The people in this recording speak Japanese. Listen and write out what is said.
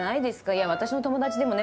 いや私の友達でもね